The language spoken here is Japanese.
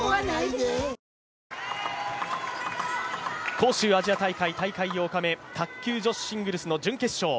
杭州アジア大会、大会８日目卓球女子シングルス準決勝。